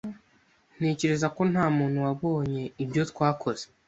Ntekereza ko nta muntu wabonye ibyo twakoze.